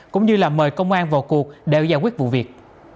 cũng như là mời công an vào cuộc để giải quyết vụ việc